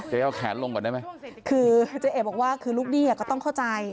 เอาแขนลงก่อนได้ไหมคือเจ๊เอบอกว่าคือลูกหนี้อ่ะก็ต้องเข้าใจ